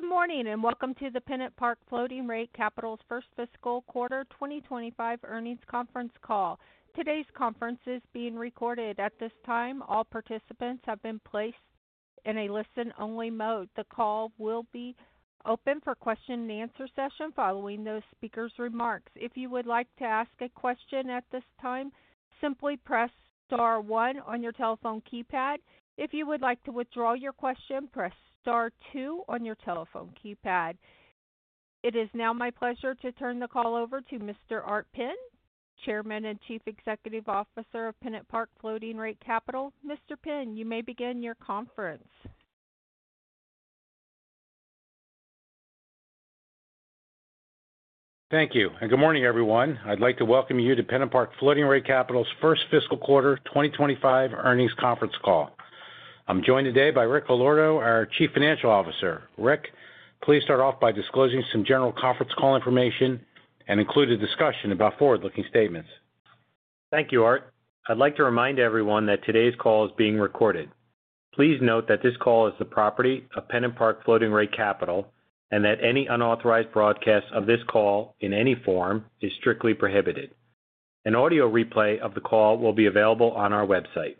Good morning and welcome to the PennantPark Floating Rate Capital's First Fiscal Quarter 2025 Earnings Conference Call. Today's conference is being recorded. At this time, all participants have been placed in a listen-only mode. The call will be open for question-and-answer session following those speakers' remarks. If you would like to ask a question at this time, simply press star one on your telephone keypad. If you would like to withdraw your question, press star two on your telephone keypad. It is now my pleasure to turn the call over to Mr. Art Penn, Chairman and Chief Executive Officer of PennantPark Floating Rate Capital. Mr. Penn, you may begin your conference. Thank you and good morning, everyone. I'd like to welcome you to PennantPark Floating Rate Capital's First Fiscal Quarter 2025 Earnings Conference Call. I'm joined today by Rick Allorto, our Chief Financial Officer. Rick, please start off by disclosing some general conference call information and include a discussion about forward-looking statements. Thank you, Art. I'd like to remind everyone that today's call is being recorded. Please note that this call is the property of PennantPark Floating Rate Capital and that any unauthorized broadcast of this call in any form is strictly prohibited. An audio replay of the call will be available on our website.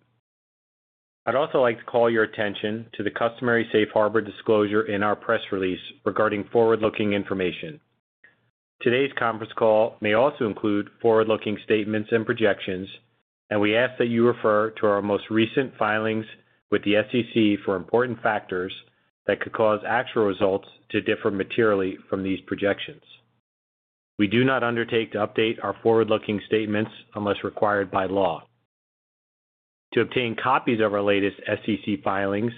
I'd also like to call your attention to the customary safe harbor disclosure in our press release regarding forward-looking information. Today's conference call may also include forward-looking statements and projections, and we ask that you refer to our most recent filings with the SEC for important factors that could cause actual results to differ materially from these projections. We do not undertake to update our forward-looking statements unless required by law. To obtain copies of our latest SEC filings,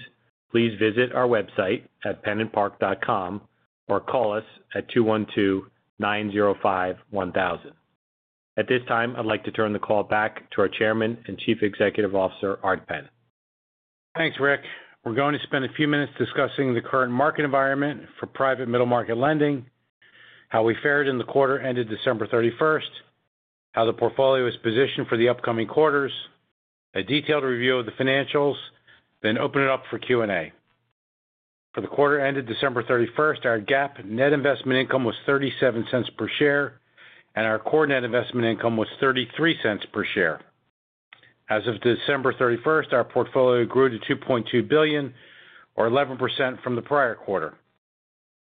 please visit our website at pennantpark.com or call us at 212-905-1000. At this time, I'd like to turn the call back to our Chairman and Chief Executive Officer, Art Penn. Thanks, Ric. We're going to spend a few minutes discussing the current market environment for private middle market lending, how we fared in the quarter ended December 31st, how the portfolio is positioned for the upcoming quarters, a detailed review of the financials, then open it up for Q&A. For the quarter ended December 31st, our GAAP net investment income was $0.37 per share, and our core net investment income was $0.33 per share. As of December 31st, our portfolio grew to $2.2 billion, or 11% from the prior quarter.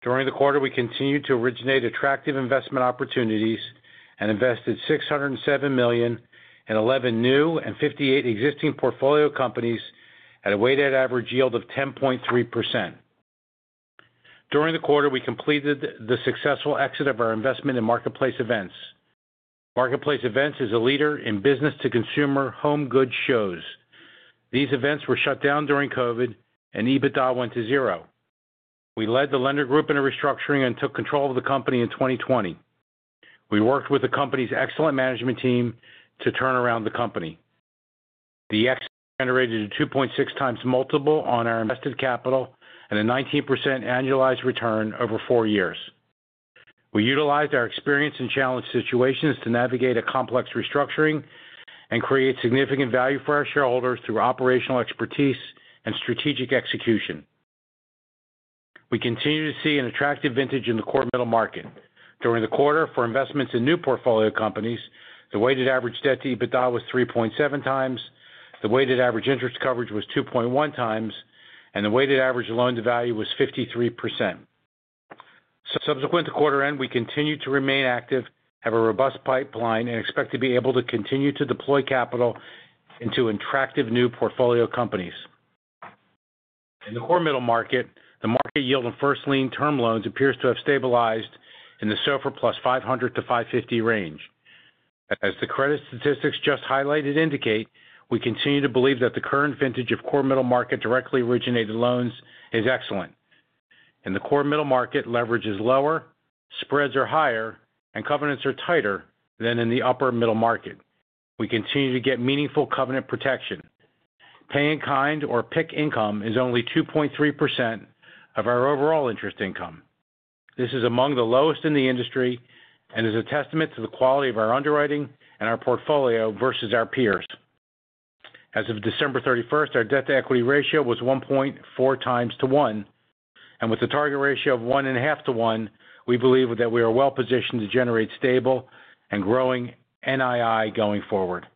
During the quarter, we continued to originate attractive investment opportunities and invested $607 million in 11 new and 58 existing portfolio companies at a weighted average yield of 10.3%. During the quarter, we completed the successful exit of our investment in Marketplace Events. Marketplace Events is a leader in business-to-consumer home goods shows. These events were shut down during COVID, and EBITDA went to zero. We led the lender group into restructuring and took control of the company in 2020. We worked with the company's excellent management team to turn around the company. The exit generated a 2.6 times multiple on our invested capital and a 19% annualized return over four years. We utilized our experience in challenged situations to navigate a complex restructuring and create significant value for our shareholders through operational expertise and strategic execution. We continue to see an attractive vintage in the core middle market. During the quarter, for investments in new portfolio companies, the weighted average debt to EBITDA was 3.7 times, the weighted average interest coverage was 2.1 times, and the weighted average loan-to-value was 53%. Subsequent to quarter end, we continue to remain active, have a robust pipeline, and expect to be able to continue to deploy capital into attractive new portfolio companies. In the core middle market, the market yield on first-lien term loans appears to have stabilized in the SOFR plus 500-550 range. As the credit statistics just highlighted indicate, we continue to believe that the current vintage of core middle market directly originated loans is excellent. In the core middle market, leverage is lower, spreads are higher, and covenants are tighter than in the upper middle market. We continue to get meaningful covenant protection. Payment-in-kind or PIK income is only 2.3% of our overall interest income. This is among the lowest in the industry and is a testament to the quality of our underwriting and our portfolio versus our peers. As of December 31st, our debt to equity ratio was 1.4 times to 1, and with a target ratio of 1.5 to 1, we believe that we are well positioned to generate stable and growing NII going forward.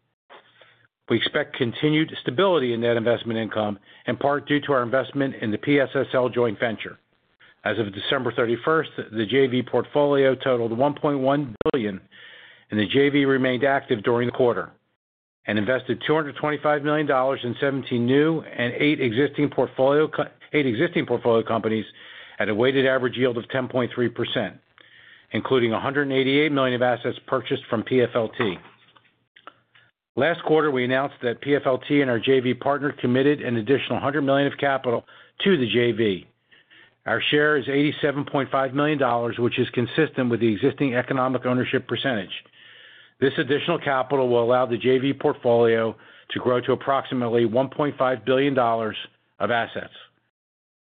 We expect continued stability in net investment income, in part due to our investment in the PSSL joint venture. As of December 31st, the JV portfolio totaled $1.1 billion, and the JV remained active during the quarter and invested $225 million in 17 new and 8 existing portfolio companies at a weighted average yield of 10.3%, including $188 million of assets purchased from PFLT. Last quarter, we announced that PFLT and our JV partner committed an additional $100 million of capital to the JV. Our share is $87.5 million, which is consistent with the existing economic ownership percentage. This additional capital will allow the JV portfolio to grow to approximately $1.5 billion of assets.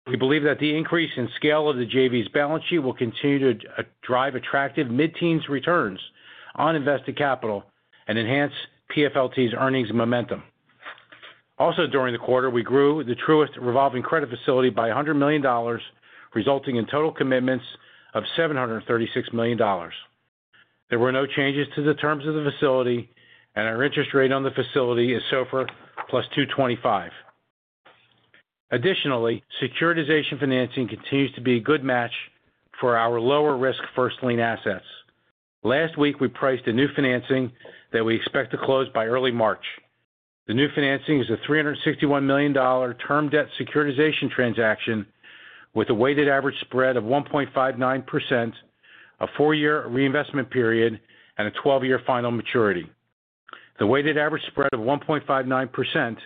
We believe that the increase in scale of the JV's balance sheet will continue to drive attractive mid-teens returns on invested capital and enhance PFLT's earnings momentum. Also, during the quarter, we grew the Truist Revolving Credit Facility by $100 million, resulting in total commitments of $736 million. There were no changes to the terms of the facility, and our interest rate on the facility is SOFR plus 225. Additionally, securitization financing continues to be a good match for our lower-risk first-lien assets. Last week, we priced a new financing that we expect to close by early March. The new financing is a $361 million term debt securitization transaction with a weighted average spread of 1.59%, a four-year reinvestment period, and a 12-year final maturity. The weighted average spread of 1.59%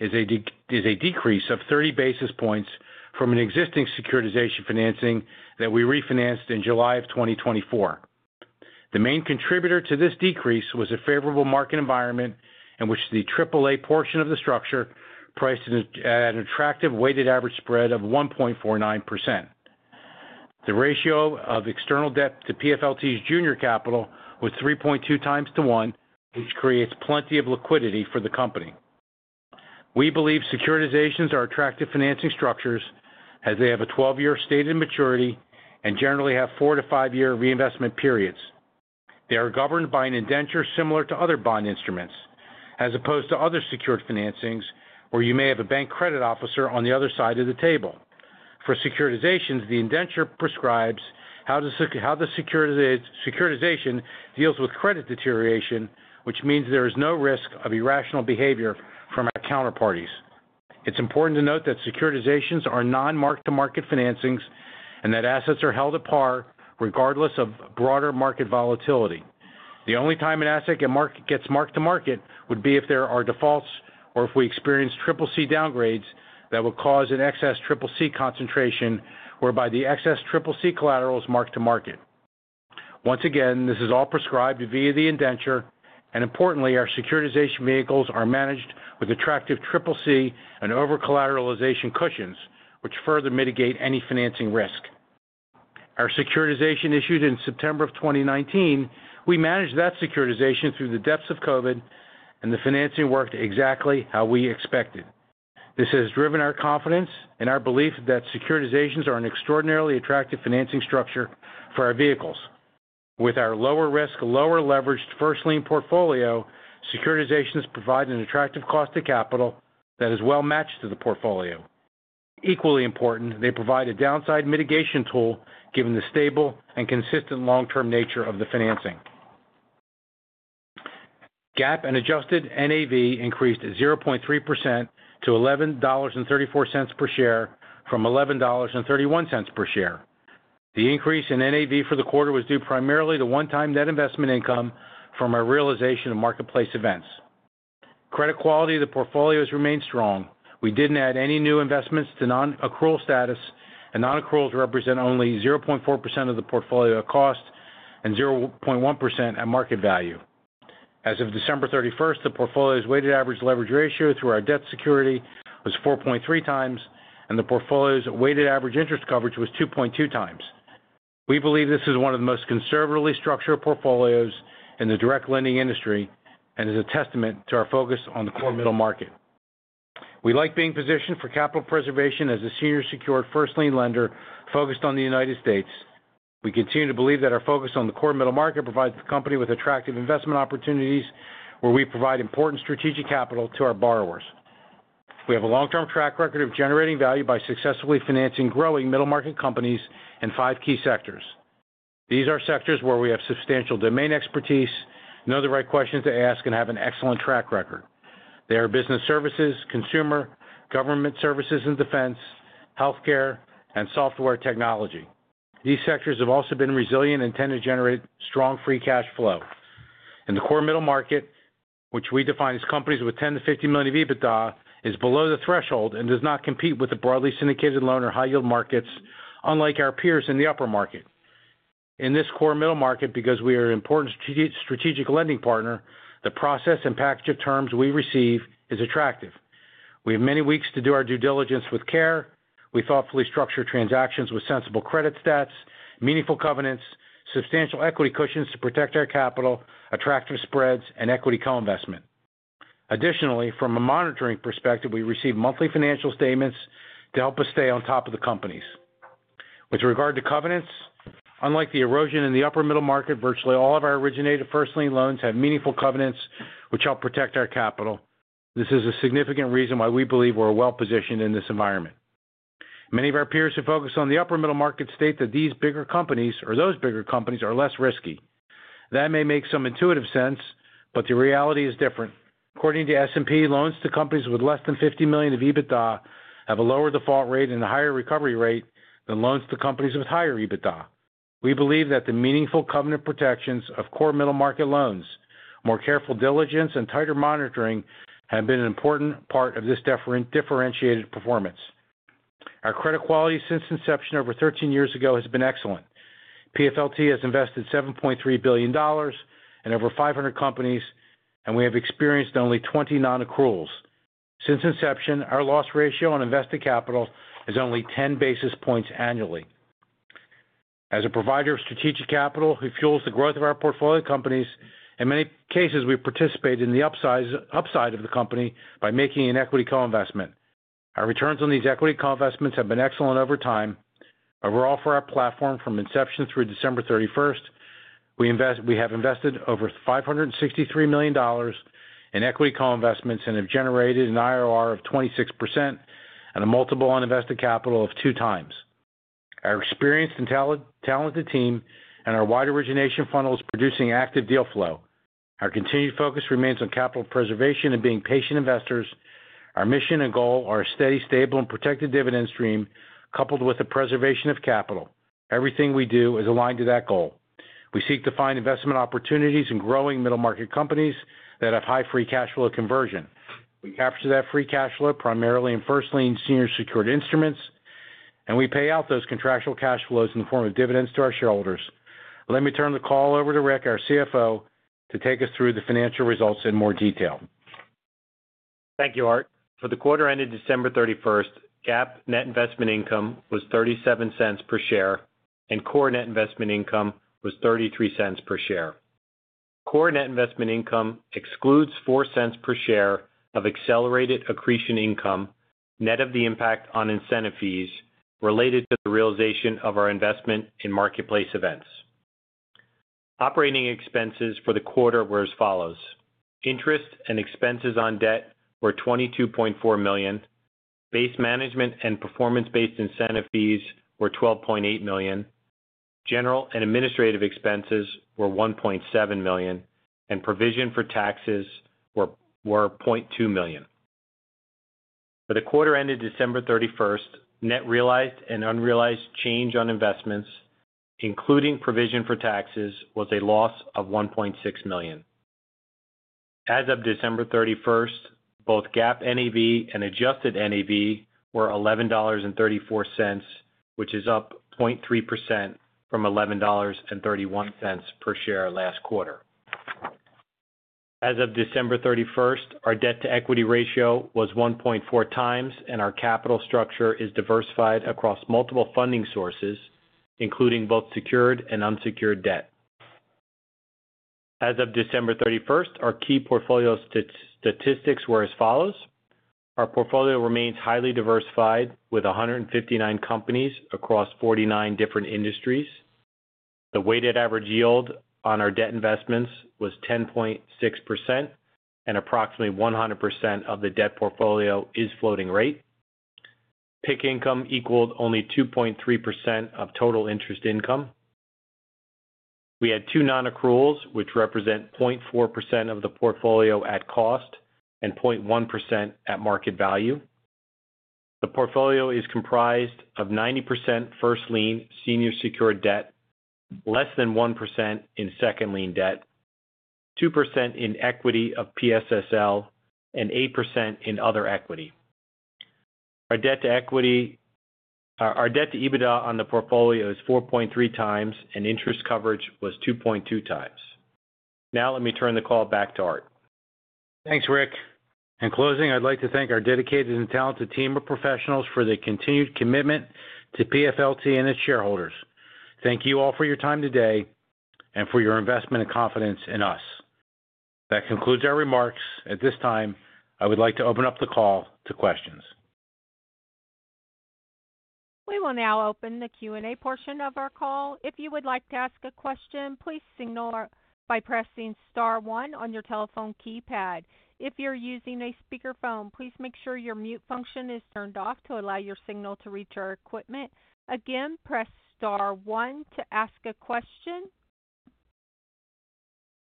is a decrease of 30 basis points from an existing securitization financing that we refinanced in July of 2024. The main contributor to this decrease was a favorable market environment in which the AAA portion of the structure priced at an attractive weighted average spread of 1.49%. The ratio of external debt to PFLT's junior capital was 3.2 times to 1, which creates plenty of liquidity for the company. We believe securitizations are attractive financing structures as they have a 12-year stated maturity and generally have four to five-year reinvestment periods. They are governed by an indenture similar to other bond instruments, as opposed to other secured financings where you may have a bank credit officer on the other side of the table. For securitizations, the indenture prescribes how the securitization deals with credit deterioration, which means there is no risk of irrational behavior from our counterparties. It's important to note that securitizations are non-mark-to-market financings and that assets are held at par regardless of broader market volatility. The only time an asset gets mark-to-market would be if there are defaults or if we experience CCC downgrades that will cause an excess CCC concentration, whereby the excess CCC collateral is mark-to-market. Once again, this is all prescribed via the indenture, and importantly, our securitization vehicles are managed with attractive CCC and over-collateralization cushions, which further mitigate any financing risk. Our securitization issued in September of 2019. We managed that securitization through the depths of COVID, and the financing worked exactly how we expected. This has driven our confidence and our belief that securitizations are an extraordinarily attractive financing structure for our vehicles. With our lower-risk, lower-leveraged first-lien portfolio, securitizations provide an attractive cost of capital that is well-matched to the portfolio. Equally important, they provide a downside mitigation tool given the stable and consistent long-term nature of the financing. GAAP and adjusted NAV increased 0.3% to $11.34 per share from $11.31 per share. The increase in NAV for the quarter was due primarily to one-time net investment income from our realization of Marketplace Events. Credit quality of the portfolios remained strong. We didn't add any new investments to non-accrual status, and non-accruals represent only 0.4% of the portfolio cost and 0.1% at market value. As of December 31st, the portfolio's weighted average leverage ratio through our debt security was 4.3 times, and the portfolio's weighted average interest coverage was 2.2 times. We believe this is one of the most conservatively structured portfolios in the direct lending industry and is a testament to our focus on the core middle market. We like being positioned for capital preservation as a senior secured first-lien lender focused on the United States. We continue to believe that our focus on the core middle market provides the company with attractive investment opportunities where we provide important strategic capital to our borrowers. We have a long-term track record of generating value by successfully financing growing middle market companies in five key sectors. These are sectors where we have substantial domain expertise, know the right questions to ask, and have an excellent track record. They are business services, consumer, government services and defense, healthcare, and software technology. These sectors have also been resilient and tend to generate strong free cash flow. In the core middle market, which we define as companies with 10-50 million of EBITDA, is below the threshold and does not compete with the broadly syndicated loan or high-yield markets, unlike our peers in the upper market. In this core middle market, because we are an important strategic lending partner, the process and package of terms we receive is attractive. We have many weeks to do our due diligence with care. We thoughtfully structure transactions with sensible credit status, meaningful covenants, substantial equity cushions to protect our capital, attractive spreads, and equity co-investment. Additionally, from a monitoring perspective, we receive monthly financial statements to help us stay on top of the companies. With regard to covenants, unlike the erosion in the upper middle market, virtually all of our originated first-lien loans have meaningful covenants which help protect our capital. This is a significant reason why we believe we're well positioned in this environment. Many of our peers who focus on the upper middle market state that these bigger companies or those bigger companies are less risky. That may make some intuitive sense, but the reality is different. According to S&P, loans to companies with less than 50 million of EBITDA have a lower default rate and a higher recovery rate than loans to companies with higher EBITDA. We believe that the meaningful covenant protections of core middle market loans, more careful diligence, and tighter monitoring have been an important part of this differentiated performance. Our credit quality since inception over 13 years ago has been excellent. PFLT has invested $7.3 billion in over 500 companies, and we have experienced only 20 non-accruals. Since inception, our loss ratio on invested capital is only 10 basis points annually. As a provider of strategic capital who fuels the growth of our portfolio companies, in many cases, we participate in the upside of the company by making an equity co-investment. Our returns on these equity co-investments have been excellent over time. Overall, for our platform from inception through December 31st, we have invested over $563 million in equity co-investments and have generated an IRR of 26% and a multiple on invested capital of two times. Our experienced and talented team and our wide origination funnel is producing active deal flow. Our continued focus remains on capital preservation and being patient investors. Our mission and goal are a steady, stable, and protected dividend stream coupled with the preservation of capital. Everything we do is aligned to that goal. We seek to find investment opportunities in growing middle market companies that have high free cash flow conversion. We capture that free cash flow primarily in first-lien senior secured instruments, and we pay out those contractual cash flows in the form of dividends to our shareholders. Let me turn the call over to Rick, our CFO, to take us through the financial results in more detail. Thank you, Art. For the quarter ended December 31st, GAAP net investment income was $0.37 per share, and core net investment income was $0.33 per share. Core net investment income excludes $0.04 per share of accelerated accretion income net of the impact on incentive fees related to the realization of our investment in Marketplace Events. Operating expenses for the quarter were as follows. Interest and expenses on debt were $22.4 million. Base management and performance-based incentive fees were $12.8 million. General and administrative expenses were $1.7 million, and provision for taxes were $0.2 million. For the quarter ended December 31st, net realized and unrealized change on investments, including provision for taxes, was a loss of $1.6 million. As of December 31st, both GAAP NAV and adjusted NAV were $11.34, which is up 0.3% from $11.31 per share last quarter. As of December 31st, our debt to equity ratio was 1.4 times, and our capital structure is diversified across multiple funding sources, including both secured and unsecured debt. As of December 31st, our key portfolio statistics were as follows. Our portfolio remains highly diversified with 159 companies across 49 different industries. The weighted average yield on our debt investments was 10.6%, and approximately 100% of the debt portfolio is floating rate. PIK income equaled only 2.3% of total interest income. We had two non-accruals, which represent 0.4% of the portfolio at cost and 0.1% at market value. The portfolio is comprised of 90% first-lien senior secured debt, less than 1% in second-lien debt, 2% in equity of PSSL, and 8% in other equity. Our debt to EBITDA on the portfolio is 4.3 times, and interest coverage was 2.2 times. Now, let me turn the call back to Art. Thanks, Ric. In closing, I'd like to thank our dedicated and talented team of professionals for their continued commitment to PFLT and its shareholders. Thank you all for your time today and for your investment and confidence in us. That concludes our remarks. At this time, I would like to open up the call to questions. We will now open the Q&A portion of our call. If you would like to ask a question, please signal by pressing star one on your telephone keypad. If you're using a speakerphone, please make sure your mute function is turned off to allow your signal to reach our equipment. Again, press star one to ask a question,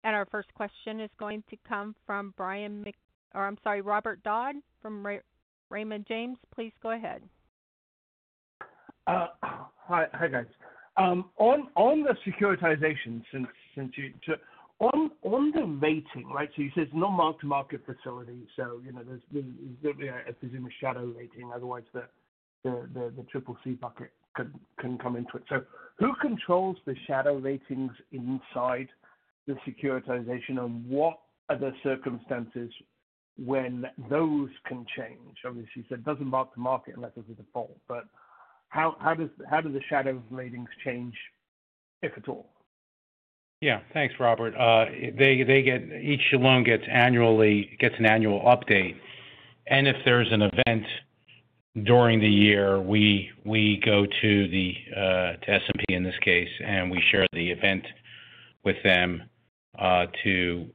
and our first question is going to come from Robert or, I'm sorry, Robert Dodd from Raymond James. Please go ahead. Hi, guys. On the securitization, since you on the rating, right, so you said it's not mark-to-market facility. So there's going to be, I presume, a shadow rating. Otherwise, the CCC bucket can come into it. So who controls the shadow ratings inside the securitization, and what are the circumstances when those can change? Obviously, you said it doesn't mark-to-market unless there's a default. But how do the shadow ratings change, if at all? Yeah. Thanks, Robert. Each loan gets an annual update. And if there's an event during the year, we go to S&P in this case, and we share the event with them to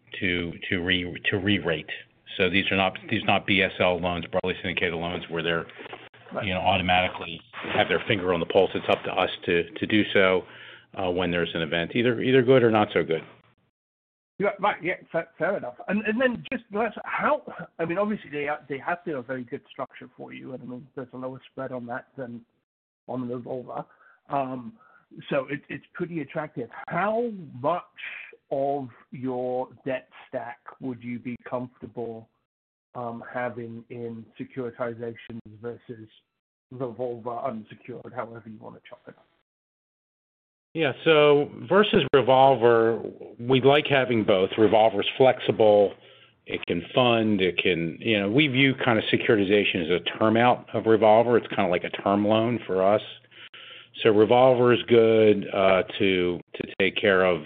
re-rate. So these are not BSL loans, broadly syndicated loans where they automatically have their finger on the pulse. It's up to us to do so when there's an event. Either good or not so good. Yeah. Fair enough. And then just how I mean, obviously, they have a very good structure for you. I mean, there's a lower spread on that than on the revolver. So it's pretty attractive. How much of your debt stack would you be comfortable having in securitization versus revolver unsecured, however you want to chop it up? Yeah. So versus revolver, we'd like having both. Revolver's flexible. It can fund. We view kind of securitization as a term out of revolver. It's kind of like a term loan for us. So revolver is good to take care of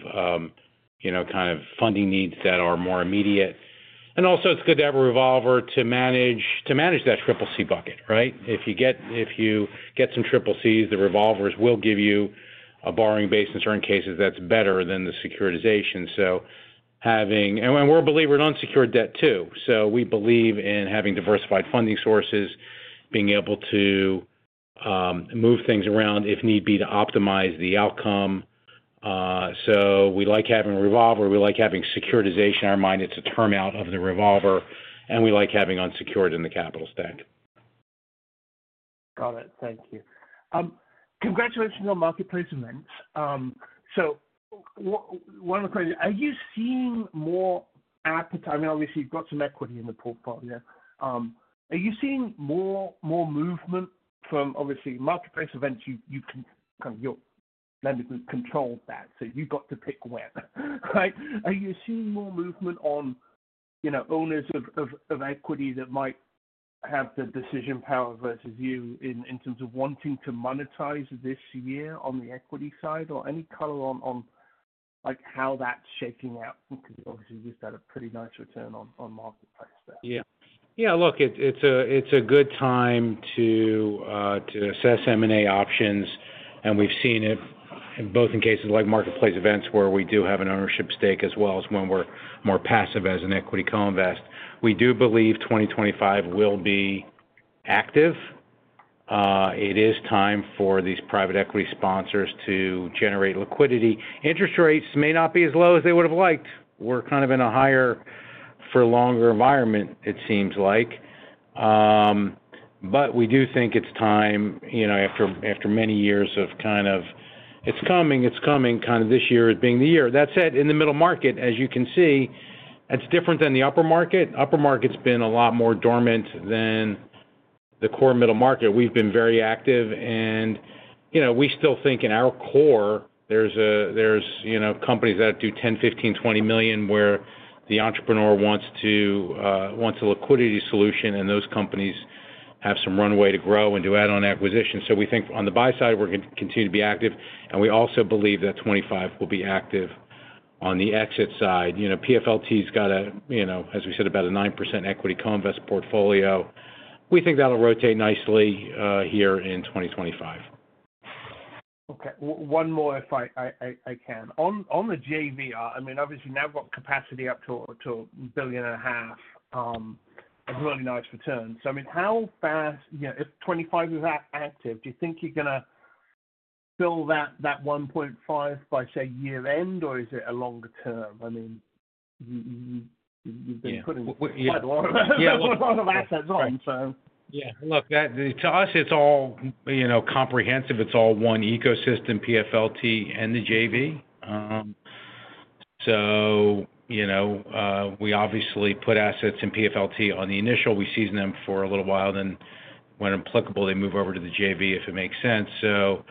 kind of funding needs that are more immediate. And also, it's good to have a revolver to manage that CCC bucket, right? If you get some CCCs, the revolvers will give you a borrowing base in certain cases that's better than the securitization. And we're a believer in unsecured debt too. So we believe in having diversified funding sources, being able to move things around if need be to optimize the outcome. So we like having a revolver. We like having securitization in our mind. It's a term out of the revolver. And we like having unsecured in the capital stack. Got it. Thank you. Congratulations on Marketplace Events. So one of the questions: are you seeing more appetite? I mean, obviously, you've got some equity in the portfolio. Are you seeing more movement from, obviously, Marketplace Events? You can kind of your lenders control that. So you've got to pick where, right? Are you seeing more movement on owners of equity that might have the decision power versus you in terms of wanting to monetize this year on the equity side or any color on how that's shaking out? Because obviously, you've just had a pretty nice return on Marketplace there. Yeah. Yeah. Look, it's a good time to assess M&A options, and we've seen it both in cases like Marketplace Events where we do have an ownership stake as well as when we're more passive as an equity co-invest. We do believe 2025 will be active. It is time for these private equity sponsors to generate liquidity. Interest rates may not be as low as they would have liked. We're kind of in a higher-for-longer environment, it seems like. But we do think it's time after many years of kind of, "It's coming. It's coming," kind of this year as being the year. That said, in the middle market, as you can see, it's different than the upper market. Upper market's been a lot more dormant than the core middle market. We've been very active. And we still think in our core, there's companies that do 10, 15, 20 million where the entrepreneur wants a liquidity solution, and those companies have some runway to grow and do add-on acquisitions. So we think on the buy side, we're going to continue to be active. And we also believe that 2025 will be active on the exit side. PFLT's got a, as we said, about a 9% equity co-invest portfolio. We think that'll rotate nicely here in 2025. Okay. One more, if I can. On the JV, I mean, obviously, now we've got capacity up to a billion and a half, a really nice return. So I mean, how fast, if 2025 is active, do you think you're going to fill that 1.5 by, say, year-end, or is it a longer term? I mean, you've been putting quite a lot of assets on, so. Yeah. Look, to us, it's all comprehensive. It's all one ecosystem, PFLT and the JV. So we obviously put assets in PFLT on the initial. We season them for a little while. Then, when applicable, they move over to the JV if it makes sense. So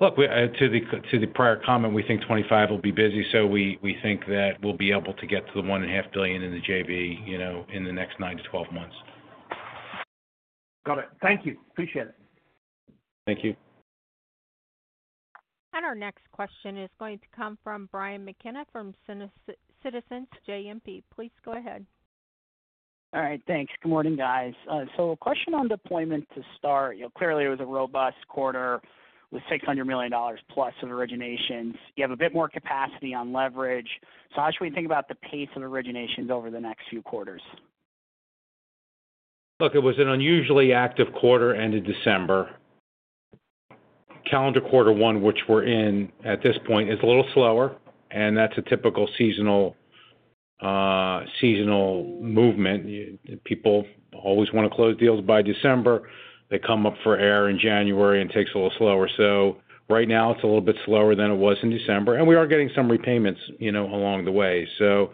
look, to the prior comment, we think 2025 will be busy. So we think that we'll be able to get to the 1.5 billion in the JV in the next 9 to 12 months. Got it. Thank you. Appreciate it. Thank you. And our next question is going to come from Brian McKenna from Citizens JMP. Please go ahead. All right. Thanks. Good morning, guys. So a question on deployment to start. Clearly, it was a robust quarter with $600 million plus of originations. You have a bit more capacity on leverage. So how should we think about the pace of originations over the next few quarters? Look, it was an unusually active quarter ended December. Calendar quarter one, which we're in at this point, is a little slower. And that's a typical seasonal movement. People always want to close deals by December. They come up for air in January. It takes a little slower. So right now, it's a little bit slower than it was in December. And we are getting some repayments along the way. So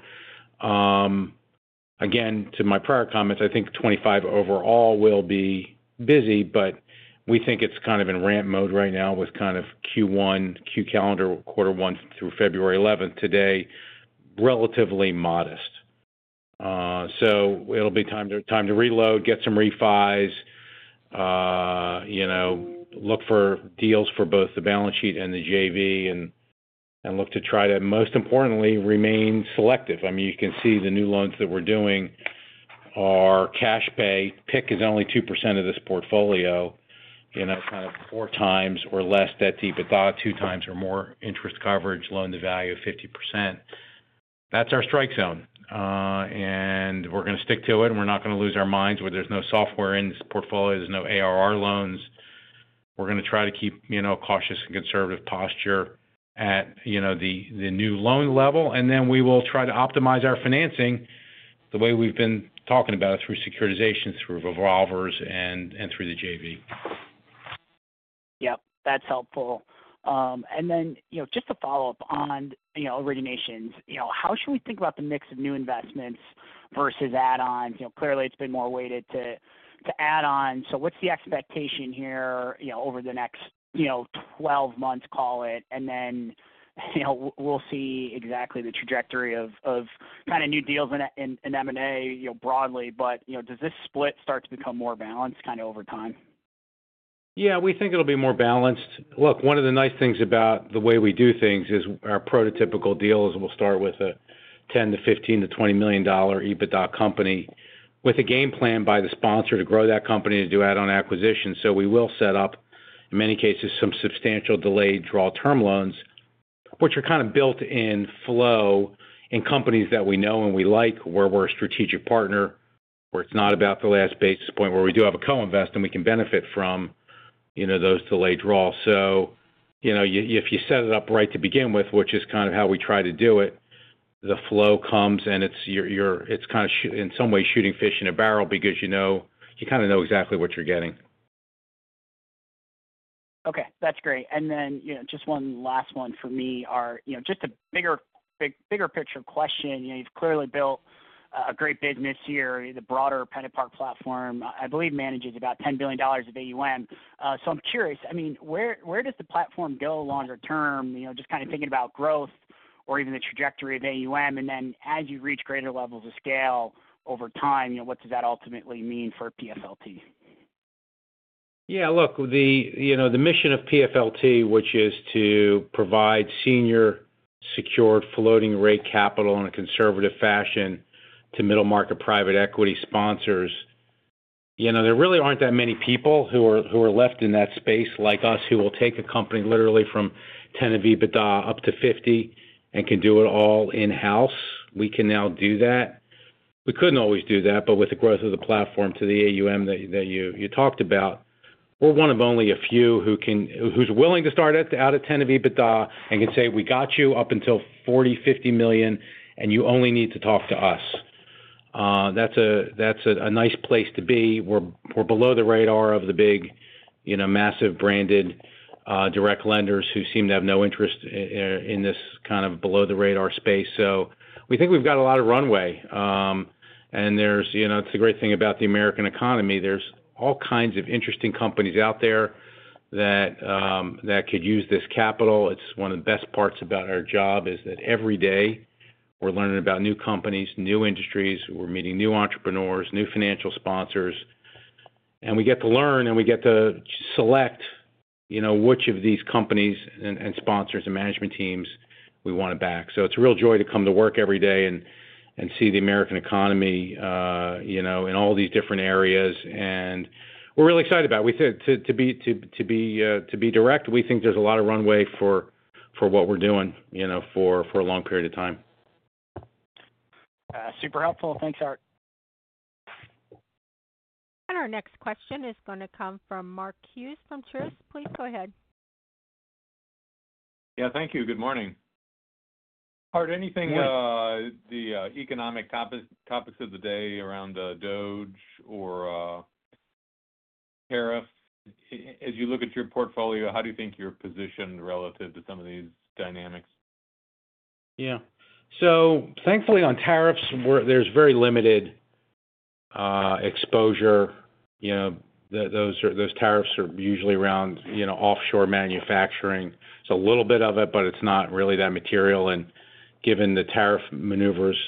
again, to my prior comments, I think '25 overall will be busy, but we think it's kind of in ramp mode right now with kind of Q1, Q calendar, quarter one through February 11th today, relatively modest. So it'll be time to reload, get some refis, look for deals for both the balance sheet and the JV, and look to try to, most importantly, remain selective. I mean, you can see the new loans that we're doing are cash pay. PIK is only 2% of this portfolio, kind of four times or less debt deep, a two times or more interest coverage, loan to value of 50%. That's our strike zone. And we're going to stick to it. And we're not going to lose our minds where there's no software in this portfolio. There's no ARR loans. We're going to try to keep a cautious and conservative posture at the new loan level. And then we will try to optimize our financing the way we've been talking about it through securitization, through revolvers, and through the JV. Yep. That's helpful. And then just to follow up on originations, how should we think about the mix of new investments versus add-ons? Clearly, it's been more weighted to add-ons. So what's the expectation here over the next 12 months, call it? And then we'll see exactly the trajectory of kind of new deals in M&A broadly. But does this split start to become more balanced kind of over time? Yeah. We think it'll be more balanced. Look, one of the nice things about the way we do things is our prototypical deal is we'll start with a $10 million to $15 million to $20 million EBITDA company with a game plan by the sponsor to grow that company, to do add-on acquisitions. So we will set up, in many cases, some substantial delayed draw term loans, which are kind of built-in flow in companies that we know and we like where we're a strategic partner, where it's not about the last basis point, where we do have a co-invest and we can benefit from those delayed draws. So if you set it up right to begin with, which is kind of how we try to do it, the flow comes, and it's kind of in some ways shooting fish in a barrel because you kind of know exactly what you're getting. Okay. That's great. And then just one last one for me, just a bigger picture question. You've clearly built a great business here. The broader PennantPark Platform, I believe, manages about $10 billion of AUM. So I'm curious, I mean, where does the platform go longer term, just kind of thinking about growth or even the trajectory of AUM? And then as you reach greater levels of scale over time, what does that ultimately mean for PFLT? Yeah. Look, the mission of PFLT, which is to provide senior secured floating rate capital in a conservative fashion to middle market private equity sponsors. There really aren't that many people who are left in that space like us who will take a company literally from 10 of EBITDA up to 50 and can do it all in-house. We can now do that. We couldn't always do that. With the growth of the platform to the AUM that you talked about, we're one of only a few who's willing to start out at $10 million of EBITDA and can say, "We got you up until $40-$50 million, and you only need to talk to us." That's a nice place to be. We're below the radar of the big massive branded direct lenders who seem to have no interest in this kind of below-the-radar space. We think we've got a lot of runway. It's the great thing about the American economy. There's all kinds of interesting companies out there that could use this capital. It's one of the best parts about our job is that every day we're learning about new companies, new industries. We're meeting new entrepreneurs, new financial sponsors. And we get to learn, and we get to select which of these companies and sponsors and management teams we want to back. So it's a real joy to come to work every day and see the American economy in all these different areas. And we're really excited about it. To be direct, we think there's a lot of runway for what we're doing for a long period of time. Super helpful. Thanks, Art. And our next question is going to come from Mark Hughes from Truist. Please go ahead. Yeah. Thank you. Good morning. Art, anything the economic topics of the day around DOGE or tariffs? As you look at your portfolio, how do you think you're positioned relative to some of these dynamics? Yeah. So thankfully, on tariffs, there's very limited exposure. Those tariffs are usually around offshore manufacturing. It's a little bit of it, but it's not really that material, and given the tariff maneuvers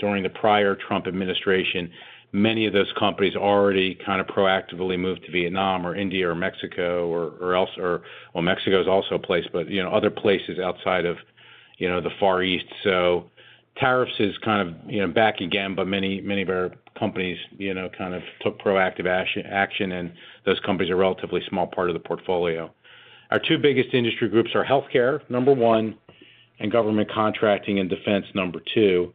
during the prior Trump administration, many of those companies already kind of proactively moved to Vietnam or India or Mexico or elsewhere, well, Mexico is also a place, but other places outside of the Far East, so tariffs is kind of back again, but many of our companies kind of took proactive action, and those companies are a relatively small part of the portfolio. Our two biggest industry groups are healthcare, number one, and government contracting and defense, number two.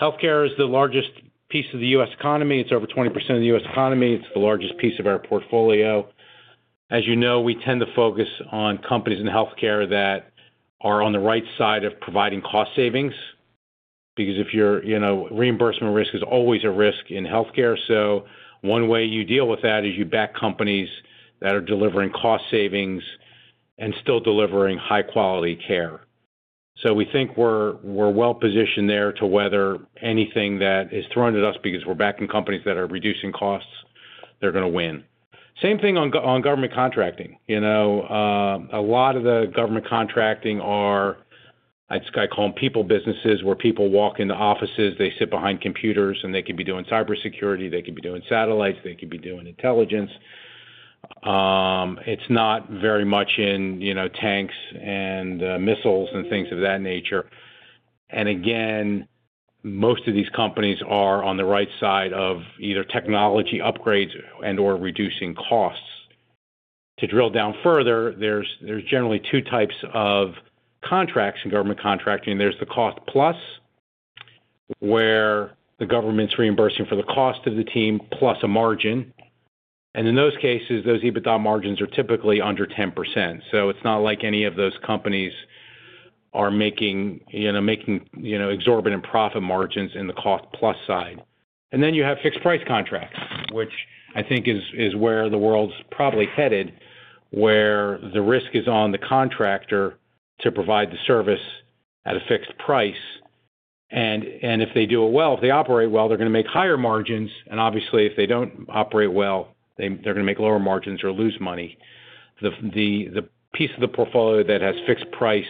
Healthcare is the largest piece of the U.S. economy. It's over 20% of the U.S. economy. It's the largest piece of our portfolio. As you know, we tend to focus on companies in healthcare that are on the right side of providing cost savings because reimbursement risk is always a risk in healthcare. So one way you deal with that is you back companies that are delivering cost savings and still delivering high-quality care. So we think we're well positioned there to weather anything that is thrown at us because we're backing companies that are reducing costs. They're going to win. Same thing on government contracting. A lot of the government contracting are, I call them people businesses, where people walk into offices. They sit behind computers, and they could be doing cybersecurity. They could be doing satellites. They could be doing intelligence. It's not very much in tanks and missiles and things of that nature. And again, most of these companies are on the right side of either technology upgrades and/or reducing costs. To drill down further, there's generally two types of contracts in government contracting. There's the cost-plus, where the government's reimbursing for the cost of the team plus a margin. And in those cases, those EBITDA margins are typically under 10%. So it's not like any of those companies are making exorbitant profit margins in the cost-plus side. And then you have fixed-price contracts, which I think is where the world's probably headed, where the risk is on the contractor to provide the service at a fixed price. And if they do it well, if they operate well, they're going to make higher margins. And obviously, if they don't operate well, they're going to make lower margins or lose money. The piece of the portfolio that has fixed price,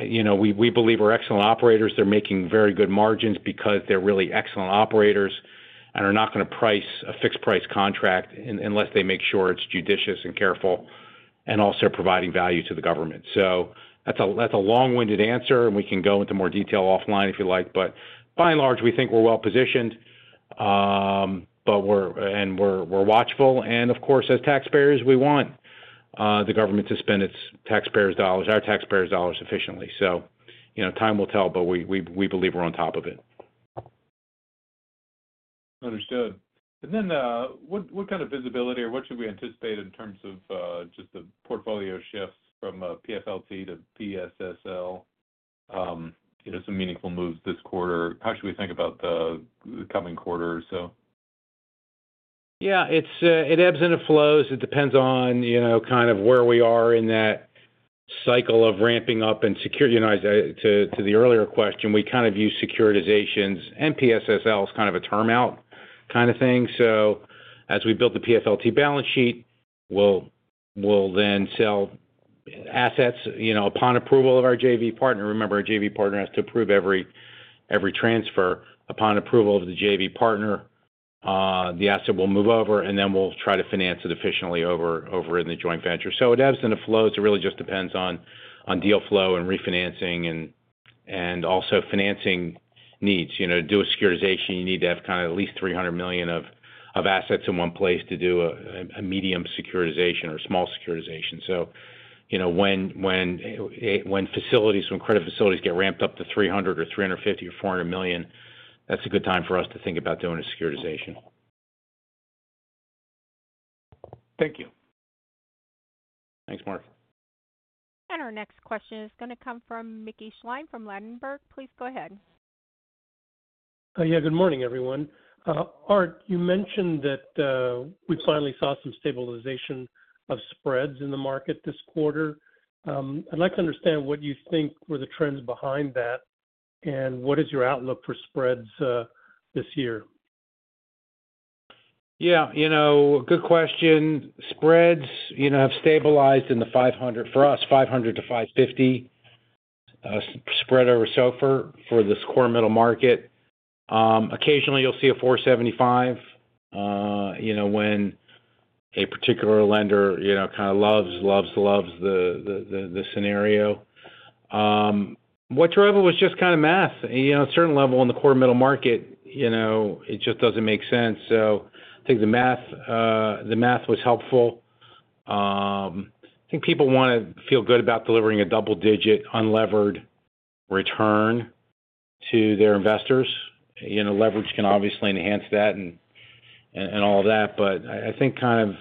we believe are excellent operators. They're making very good margins because they're really excellent operators and are not going to price a fixed-price contract unless they make sure it's judicious and careful and also providing value to the government. So that's a long-winded answer. We can go into more detail offline if you like. By and large, we think we're well positioned, and we're watchful. Of course, as taxpayers, we want the government to spend its taxpayers' dollars, our taxpayers' dollars efficiently. Time will tell, but we believe we're on top of it. Understood. Then what kind of visibility or what should we anticipate in terms of just the portfolio shifts from PFLT to PSSL, some meaningful moves this quarter? How should we think about the coming quarter, so? Yeah. It ebbs and it flows. It depends on kind of where we are in that cycle of ramping up and securitizing. To the earlier question, we kind of use securitizations. PSSL is kind of a term-out kind of thing. As we build the PFLT balance sheet, we'll then sell assets upon approval of our JV partner. Remember, our JV partner has to approve every transfer. Upon approval of the JV partner, the asset will move over, and then we'll try to finance it efficiently over in the joint venture. So it ebbs and it flows. It really just depends on deal flow and refinancing and also financing needs. To do a securitization, you need to have kind of at least $300 million of assets in one place to do a medium securitization or small securitization. So when credit facilities get ramped up to $300 or $350 or $400 million, that's a good time for us to think about doing a securitization. Thank you. Thanks, Mark. And our next question is going to come from Mickey Schleien from Ladenburg. Please go ahead. Yeah. Good morning, everyone. Art, you mentioned that we finally saw some stabilization of spreads in the market this quarter. I'd like to understand what you think were the trends behind that and what is your outlook for spreads this year? Yeah. Good question. Spreads have stabilized in the 500 for us, 500 to 550 spread over SOFR for this core middle market. Occasionally, you'll see a 475 when a particular lender kind of loves, loves, loves the scenario. What your offer was just kind of math. At a certain level in the core middle market, it just doesn't make sense. So I think the math was helpful. I think people want to feel good about delivering a double-digit unlevered return to their investors. Leverage can obviously enhance that and all of that. But I think kind of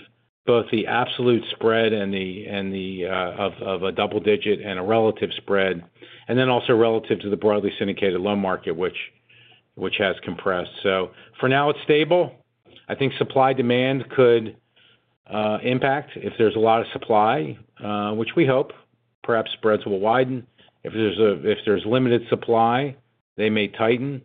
both the absolute spread and of a double-digit and a relative spread, and then also relative to the broadly syndicated loan market, which has compressed. So for now, it's stable. I think supply-demand could impact if there's a lot of supply, which we hope. Perhaps spreads will widen. If there's limited supply, they may tighten.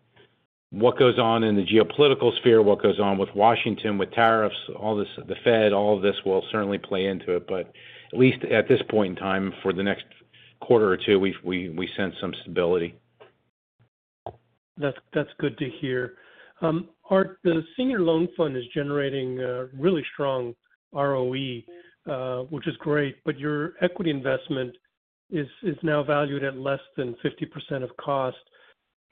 What goes on in the geopolitical sphere, what goes on with Washington, with tariffs, the Fed, all of this will certainly play into it. But at least at this point in time, for the next quarter or two, we sense some stability. That's good to hear. Art, the senior loan fund is generating really strong ROE, which is great. But your equity investment is now valued at less than 50% of cost.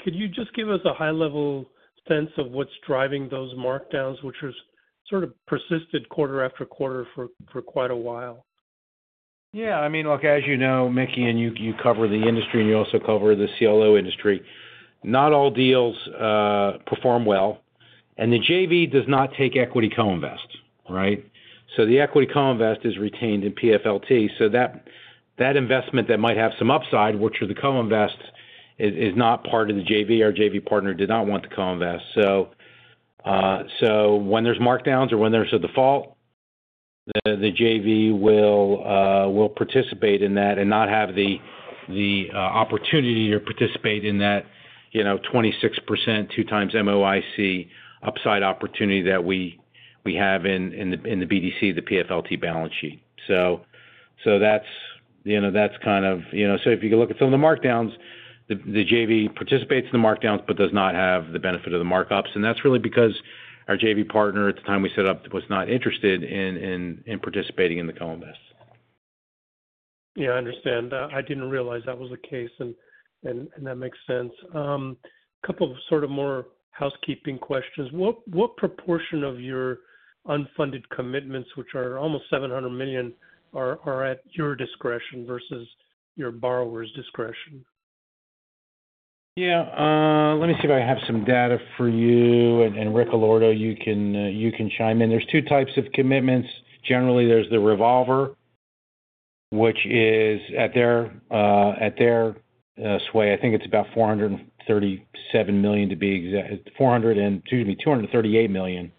Could you just give us a high-level sense of what's driving those markdowns, which has sort of persisted quarter after quarter for quite a while? Yeah. I mean, look, as you know, Mickey, and you cover the industry, and you also cover the CLO industry, not all deals perform well. And the JV does not take equity co-invest, right? So the equity co-invest is retained in PFLT. So that investment that might have some upside, which the co-invest is not part of the JV, our JV partner did not want to co-invest. So when there's markdowns or when there's a default, the JV will participate in that and not have the opportunity to participate in that 26%, two times MOIC upside opportunity that we have in the BDC, the PFLT balance sheet. So that's kind of so if you look at some of the markdowns, the JV participates in the markdowns but does not have the benefit of the markups. And that's really because our JV partner, at the time we set up, was not interested in participating in the co-invest. Yeah. I understand. I didn't realize that was the case, and that makes sense. A couple of sort of more housekeeping questions. What proportion of your unfunded commitments, which are almost $700 million, are at your discretion versus your borrower's discretion? Yeah. Let me see if I have some data for you. And Rick Allorto, you can chime in. There's two types of commitments. Generally, there's the revolver, which is at their say. I think it's about $437 million to be exact $428 million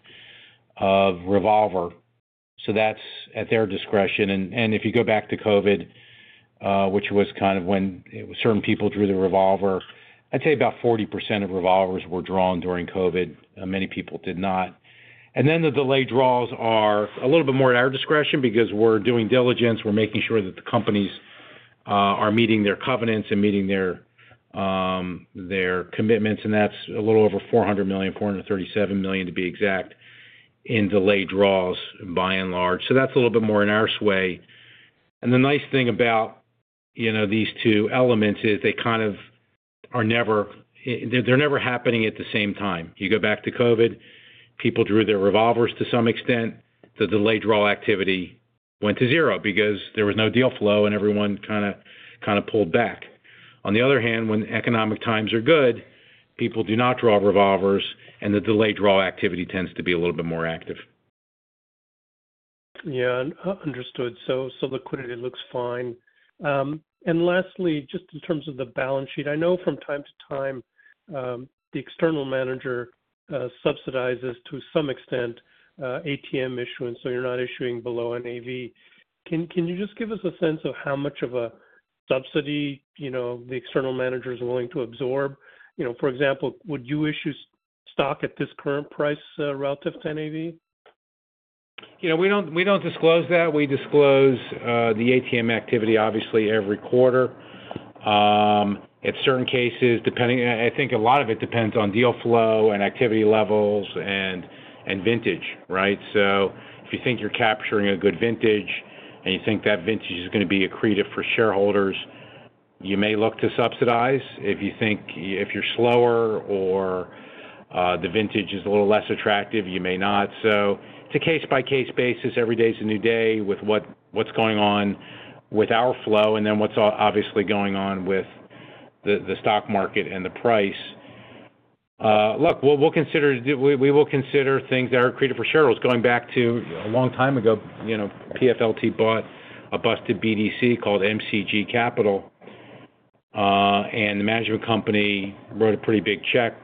of revolver. So that's at their discretion. And if you go back to COVID, which was kind of when certain people drew the revolver, I'd say about 40% of revolvers were drawn during COVID. Many people did not. And then the delayed draws are a little bit more at our discretion because we're doing diligence. We're making sure that the companies are meeting their covenants and meeting their commitments. That's a little over $400 million, $437 million to be exact, in delayed draws, by and large. That's a little bit more in our sway. The nice thing about these two elements is they kind of are never happening at the same time. You go back to COVID, people drew their revolvers to some extent. The delayed draw activity went to zero because there was no deal flow, and everyone kind of pulled back. On the other hand, when economic times are good, people do not draw revolvers, and the delayed draw activity tends to be a little bit more active. Yeah. Understood. Liquidity looks fine. Lastly, just in terms of the balance sheet, I know from time to time the external manager subsidizes to some extent ATM issuance, so you're not issuing below NAV. Can you just give us a sense of how much of a subsidy the external manager is willing to absorb? For example, would you issue stock at this current price relative to NAV? We don't disclose that. We disclose the ATM activity, obviously, every quarter. At certain cases, I think a lot of it depends on deal flow and activity levels and vintage, right? So if you think you're capturing a good vintage and you think that vintage is going to be accretive for shareholders, you may look to subsidize. If you think you're slower or the vintage is a little less attractive, you may not. So it's a case-by-case basis. Every day is a new day with what's going on with our flow and then what's obviously going on with the stock market and the price. Look, we will consider things that are accretive for shareholders. Going back to a long time ago, PFLT bought a busted BDC called MCG Capital. And the management company wrote a pretty big check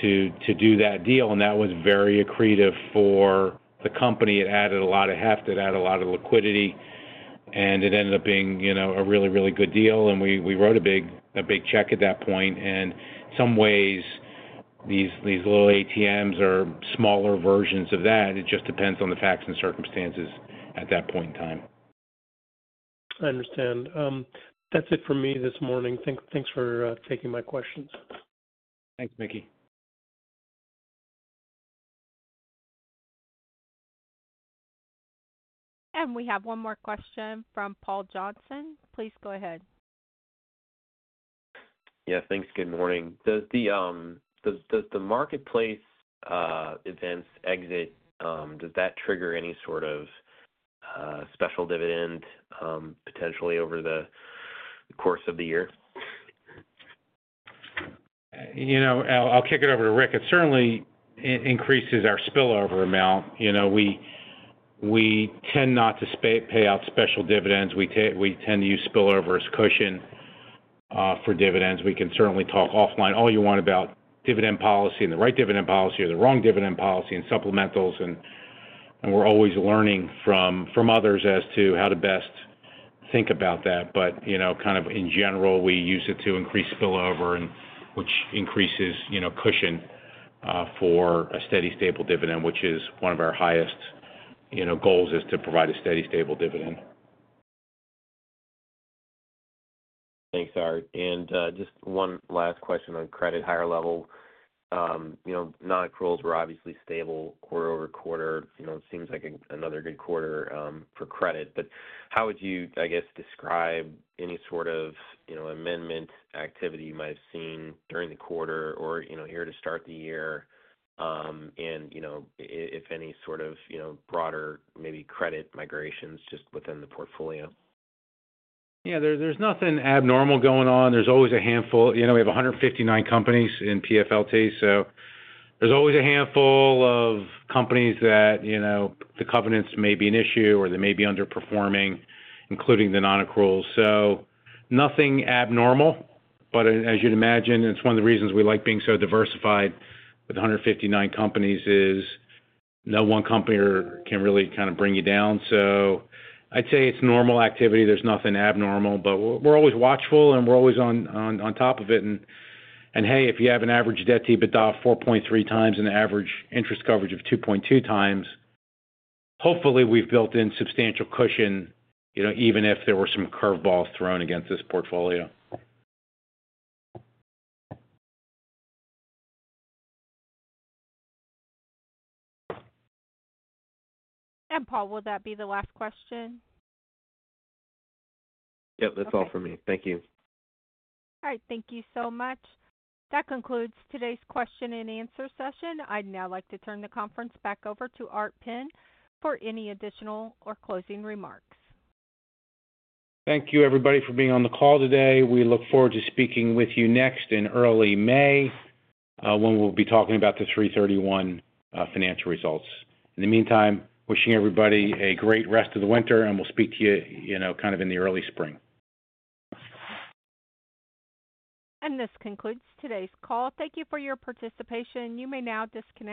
to do that deal. And that was very accretive for the company. It added a lot of heft. It added a lot of liquidity. And it ended up being a really, really good deal. And we wrote a big check at that point. And in some ways, these little ATMs are smaller versions of that. It just depends on the facts and circumstances at that point in time. I understand. That's it for me this morning. Thanks for taking my questions. Thanks, Mickey. And we have one more question from Paul Johnson. Please go ahead. Yeah. Thanks. Good morning. Does the Marketplace Events exit, does that trigger any sort of special dividend potentially over the course of the year? I'll kick it over to Ric. It certainly increases our spillover amount. We tend not to pay out special dividends. We tend to use spillover as cushion for dividends. We can certainly talk offline all you want about dividend policy and the right dividend policy or the wrong dividend policy and supplementals. And we're always learning from others as to how to best think about that. But kind of in general, we use it to increase spillover, which increases cushion for a steady, stable dividend, which is one of our highest goals, is to provide a steady, stable dividend. Thanks, Art. And just one last question on credit, high level. Non-accruals were obviously stable quarter over quarter. It seems like another good quarter for credit. But how would you, I guess, describe any sort of amendment activity you might have seen during the quarter or here to start the year? And if any sort of broader maybe credit migrations just within the portfolio? Yeah. There's nothing abnormal going on. There's always a handful. We have 159 companies in PFLT. So there's always a handful of companies that the covenants may be an issue or they may be underperforming, including the non-accruals. So nothing abnormal. But as you'd imagine, it's one of the reasons we like being so diversified with 159 companies is no one company can really kind of bring you down. So I'd say it's normal activity. There's nothing abnormal. But we're always watchful, and we're always on top of it. And hey, if you have an average debt to EBITDA of 4.3 times and an average interest coverage of 2.2 times, hopefully, we've built in substantial cushion even if there were some curveballs thrown against this portfolio. And Paul, will that be the last question? Yep. That's all for me. Thank you. All right. Thank you so much. That concludes today's question and answer session. I'd now like to turn the conference back over to Art Penn for any additional or closing remarks. Thank you, everybody, for being on the call today. We look forward to speaking with you next in early May when we'll be talking about the First Quarter Financial Results. In the meantime, wishing everybody a great rest of the winter, and we'll speak to you kind of in the early spring. And this concludes today's call. Thank you for your participation. You may now disconnect.